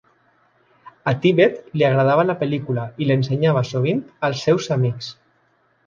A Tibbett li agradava la pel·lícula i l'ensenyava sovint als seus amics.